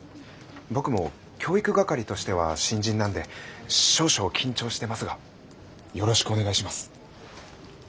僕も教育係としては新人なんで少々緊張してますがよろしくお願いします。